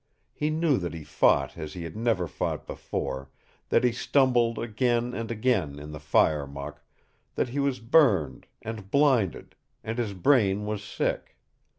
He knew that he fought as he had never fought before; that he stumbled again and again in the fire muck; that he was burned, and blinded, and his brain was sick.